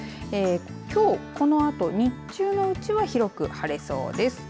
きょうこのあと日中のうちは広く晴れそうです。